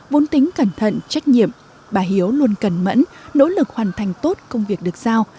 vốn tính cẩn thận trách nhiệm bà hiếu luôn cẩn mẫn nỗ lực hoàn thành tốt công việc được giao